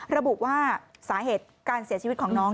ระบุว่าสาเหตุการเสียชีวิตของน้อง